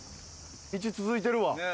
道続いてるわ。